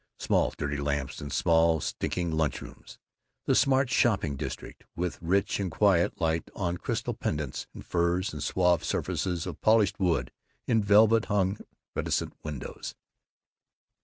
Small dirty lamps in small stinking lunchrooms. The smart shopping district, with rich and quiet light on crystal pendants and furs and suave surfaces of polished wood in velvet hung reticent windows.